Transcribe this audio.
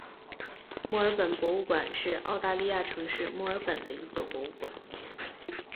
墨尔本博物馆是澳大利亚城市墨尔本的一座博物馆。